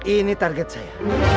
ini target saya